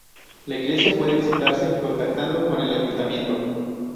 La iglesia puede visitarse contactando con el Ayuntamiento.